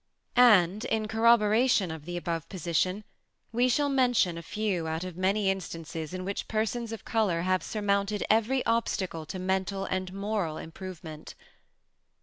And, in corroboration of the above position, we shall mention a few out of many instances in which persons of color have surmounted every obstacle to mental and moral improvement.